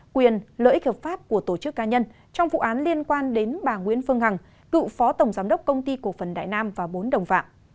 quyền lợi ích hợp pháp của tổ chức ca nhân trong vụ án liên quan đến bà nguyễn phương hằng cựu phó tổng giám đốc công ty cổ phần đại nam và bốn đồng phạm